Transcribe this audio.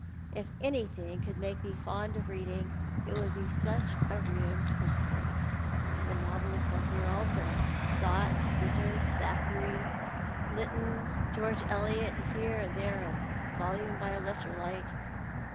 If anything could make me fond of reading, it would bj sucli a room as this. The novelists are here also, — Scott, Dickens, Thackeray, Lytton, George Eliot, and lierc and tliere a volume by a Icssel light.